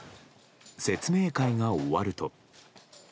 説明会が終わると。